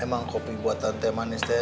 emang kopi buatan teh manis teh